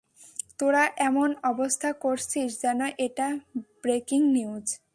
তোরা এমন অবস্থা করছিস যেন এটা ব্রেকিং নিউজ।